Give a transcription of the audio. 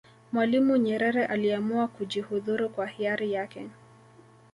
mwalimu nyerere aliamua kujihudhuru kwa hiari yake